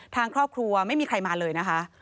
ทางครอบครัวไม่มีใครมาเลยนะคะ